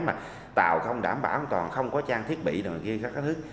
mà tàu không đảm bảo an toàn không có trang thiết bị nào ghi các thứ